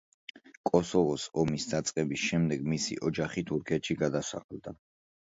კოსოვოს ომის დაწყების შემდეგ მისი ოჯახი თურქეთში გადასახლდა.